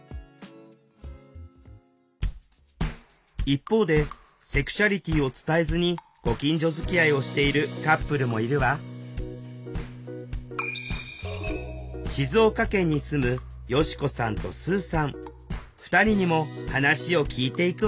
一方でセクシュアリティーを伝えずにご近所づきあいをしているカップルもいるわ２人にも話を聞いていくわよ